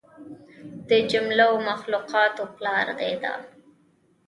د جمله و مخلوقاتو پلار دى دا.